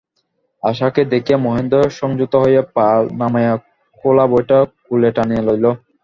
আশাকে দেখিয়া মহেন্দ্র সংযত হইয়া পা নামাইয়া খোলা বইটা কোলে টানিয়া লইল।